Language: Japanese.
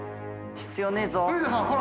必要ねぇぞ。